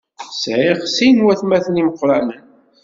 Sɛiɣ sin n waytmaten imeqranen.